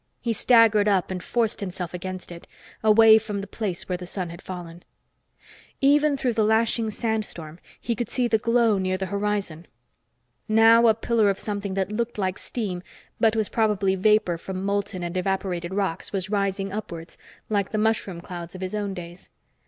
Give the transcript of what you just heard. He staggered up and forced himself against it, away from the place where the sun had fallen. Even through the lashing sandstorm, he could see the glow near the horizon. Now a pillar of something that looked like steam but was probably vapor from molten and evaporated rocks was rising upwards, like the mushroom clouds of his own days.